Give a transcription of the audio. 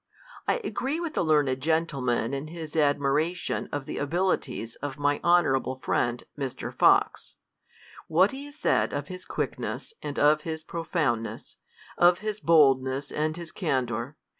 I agree with the learned gentleman in his admiration of the abilities of my honorable friend, Mr. Fox. What he has said of his quickness and of his profoundness, of his boldness and his candor